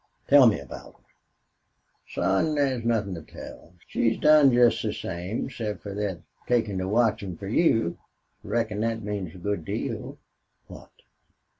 Tell me about her." "Son, thar's nuthin' to tell. She's done jest the same, except fer thet takin' to watchin' fer you. Reckon thet means a good deal." "What?"